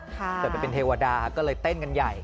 เกิดไปเป็นเทวดาก็เลยเต้นกันใหญ่